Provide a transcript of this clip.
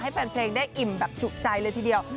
แฟนเพลงได้อิ่มแบบจุใจเลยทีเดียว